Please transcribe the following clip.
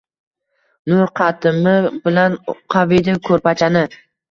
nur qatimi bilan qaviydi koʼrpachani.